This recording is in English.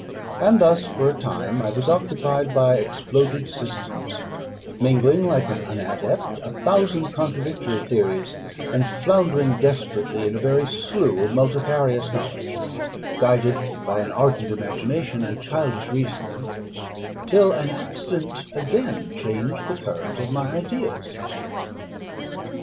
And thus for a time I was occupied by exploded systems, mingling, like an unadept, a thousand contradictory theories, and floundering desperately in a very slough of multifarious knowledge, guided by an ardent imagination and childish reasoning, till an accident again changed the current of my ideas.